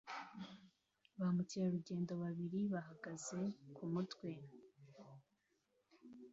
Ba mukerarugendo babiri bahagaze kumutwe